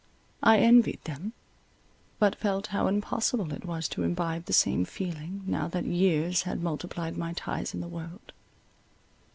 I envied them, but felt how impossible it was to imbibe the same feeling, now that years had multiplied my ties in the world.